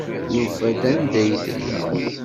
Nufa-d anda ay tella.